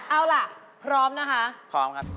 เอาล่ะพร้อมนะคะ